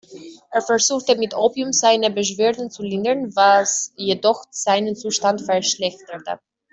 Er versuchte mit Opium seine Beschwerden zu lindern, was jedoch seinen Zustand verschlechterte.